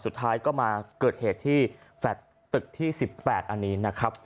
สุดท้ายก็มาเกิดเหตุที่แฟลตตึกที่๑๘อันนี้นะครับ